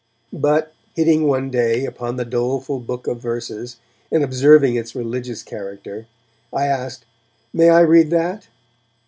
But, hitting one day upon the doleful book of verses, and observing its religious character, I asked 'May I read that?'